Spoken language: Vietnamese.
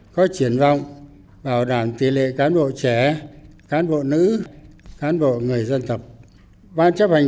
và điều đó là một vấn đề rất quan trọng rất quan trọng